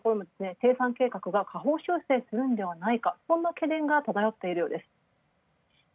生産計画が下方修正かとそんな懸念が漂っているようです。